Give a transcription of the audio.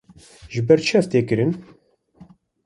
Ji ber çi ev tê kirin?